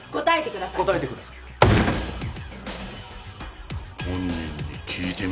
答えてください。